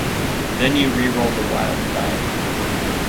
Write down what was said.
Then you re-roll the wild die.